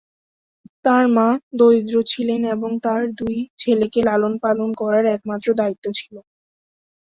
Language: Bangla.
তার মা দরিদ্র ছিলেন এবং তার দুই ছেলেকে লালন -পালন করার একমাত্র দায়িত্ব ছিল।